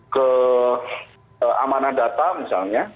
ke amanah data misalnya